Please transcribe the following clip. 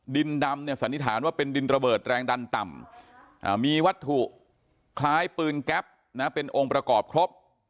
ดินดำเนี่ยสันนิษฐานว่าเป็นดินระเบิดแรงดันต่ำมีวัตถุคล้ายปืนแก๊ปเป็นองค์ประกอบครบ